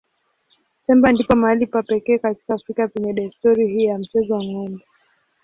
Pemba ndipo mahali pa pekee katika Afrika penye desturi hii ya mchezo wa ng'ombe.